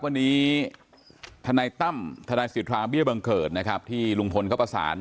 วันนี้ทนายตั้มทนายสิทธาเบี้ยบังเกิดนะครับที่ลุงพลเขาประสาน